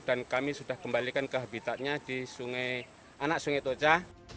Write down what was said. dan kami sudah kembalikan ke habitatnya di anak sungai toca